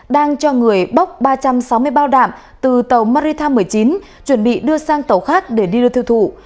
đang cho người bóc ba trăm sáu mươi bao đạm từ tàu maritam một mươi chín chuẩn bị đưa sang tàu khác để đi đưa thư thụ